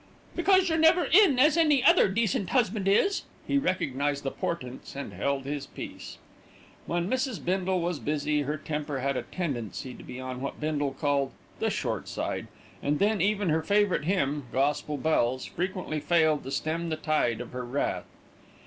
"Because you're never in as any other decent husband is." He recognised the portents and held his peace. When Mrs. Bindle was busy, her temper had a tendency to be on what Bindle called "the short side," and then even her favourite hymn, "Gospel Bells," frequently failed to stem the tide of her wrath.